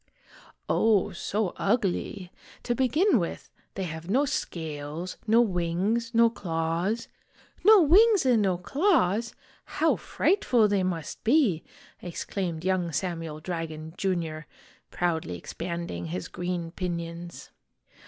"Oh, so ugly. To begin with, they have no scales, no wings, no claws " "No wings and no claws? How frightful they must be!' ex claimed young Samuel Dragon, Jr., proudly expanding his green pinions.